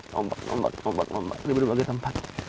nombak nombak nombak nombak di berbagai tempat